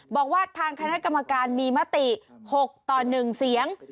บอกว่าทางคณะกรรมการมีมติ๖ต่อ๑เสียง